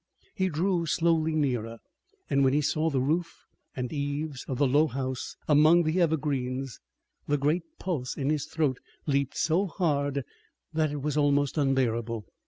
He drew slowly nearer, and when he saw the roof and eaves of the low house among the evergreens the great pulse in his throat leaped so hard that it was almost unbearable.